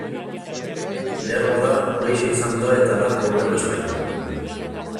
Beharbada horixe izan da eta da problema espainola.